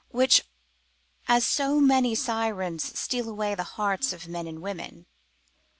which as so many sirens steal away the hearts of men and women.